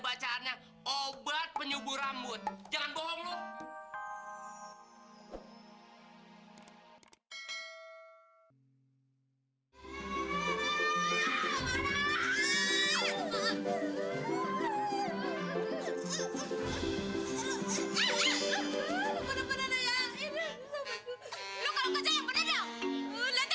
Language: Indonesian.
bacaannya obat penyumbur rambut jangan bohong lu